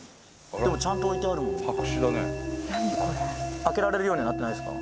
でもちゃんと置いてあるもんな何これ開けられるようにはなってないですか？